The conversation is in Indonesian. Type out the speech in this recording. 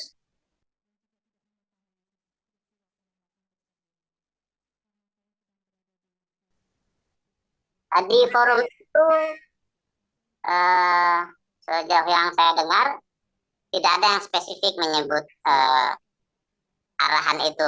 di forum itu sejauh yang saya dengar tidak ada yang spesifik menyebut arahan itu